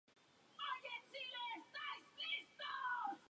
Muy cerca, en segunda posición, se encuentra Ginebra.